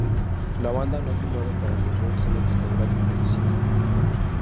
La banda no ha firmado para ningún sello discográfico oficial.